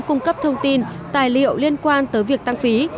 cung cấp thông tin tài liệu liên quan tới việc tăng phí